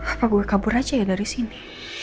apa gue kabur aja ya dari sini